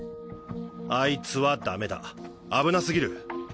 あいつはダメだ危なすぎる。